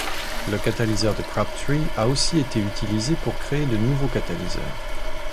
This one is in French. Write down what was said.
Le catalyseur de Crabtree a aussi été utilisé pour créer de nouveaux catalyseurs.